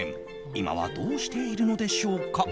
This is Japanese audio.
今はどうしているのでしょうか。